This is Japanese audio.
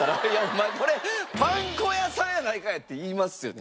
これパン粉屋さんやないかい！って言いますよね？